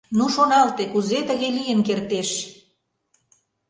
Ну, шоналте, кузе тыге лийын кертеш?